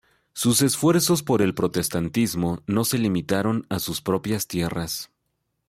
Sus esfuerzos por el protestantismo no se limitaron a sus propias tierras.